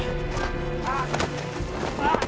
ああ！